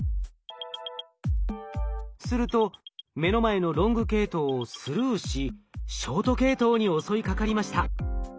すると目の前のロング系統をスルーしショート系統に襲いかかりました。